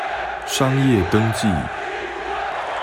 商業登記